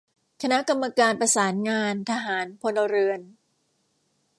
คณะกรรมการประสานงานทหาร-พลเรือน